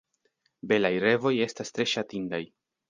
Belaj revoj estas tre ŝatindaj.